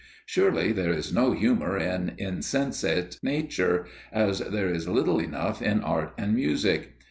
Surely there is no humour in insensate nature, as there is little enough in Art and Music.